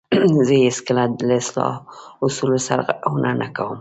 زه هیڅکله له اصولو سرغړونه نه کوم.